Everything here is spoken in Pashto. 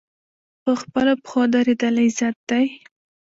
په خپلو پښو دریدل عزت دی